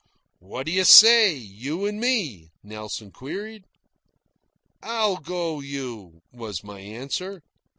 "What d'ye say, you and me?" Nelson queried. "I'll go you," was my answer.